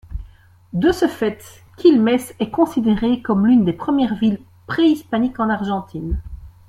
De ce fait Quilmes est considérée comme l’une des premières villes préhispaniques en Argentine.